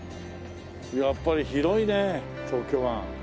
やっぱり広いね東京湾。